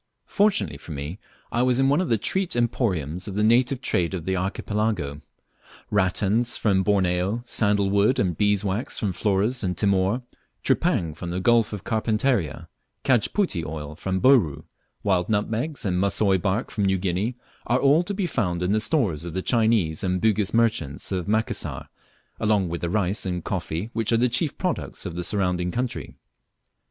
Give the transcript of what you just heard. Fortunately for me I was in one of the treat emporiums of the native trade of the archipelago. Rattans from Borneo, sandal wood and bees' was from Flores and Timor, tripang from the Gulf of Carpentaria, cajputi oil from Bouru, wild nutmegs and mussoi bark from New Guinea, are all to be found in the stores of the Chinese and Bugis merchants of Macassar, along with the rice and coffee which are the chief products of the surrounding country.